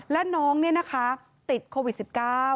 และน้องนี่นะคะติดโควิด๑๙